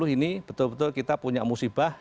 dua ribu dua puluh ini betul betul kita punya musibah